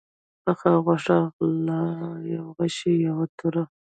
پخه غوښه، غله، يو غشى، يوه توره